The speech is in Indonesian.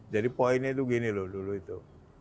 jadi poinnya dulu itu